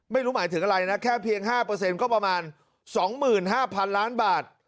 ไม่รู้หมายถึงอะไรนะแค่เพียง๕ก็ประมาณ๒๕๐๐๐ล้านบาท